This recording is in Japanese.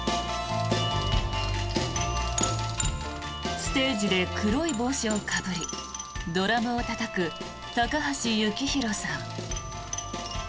ステージで黒い帽子をかぶりドラムをたたく高橋幸宏さん。